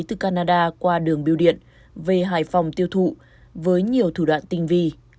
từ canada qua đường biêu điện về hải phòng tiêu thụ với nhiều thủ đoạn tinh vi